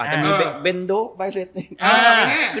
ก็มีเบนโดบายเซต